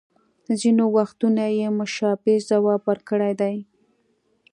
ځینې وختونه یې مشابه ځواب ورکړی دی